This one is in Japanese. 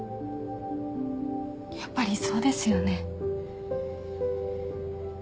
やっぱりそうですよね。